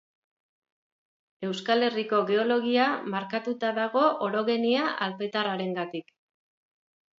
Euskal Herriko geologia markatuta dago orogenia alpetarrarengatik.